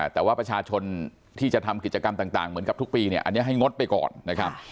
แต่ว่าประชาชนที่จะทำกิจกรรมต่างเหมือนกับทุกปีเนี่ยอันนี้ให้งดไปก่อนนะครับ